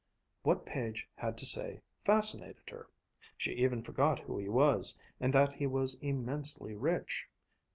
What Page had to say fascinated her. She even forgot who he was, and that he was immensely rich.